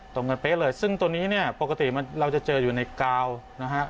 ตรงกันเป๊ะเลยซึ่งตัวนี้เนี่ยปกติเราจะเจออยู่ในกาวนะฮะ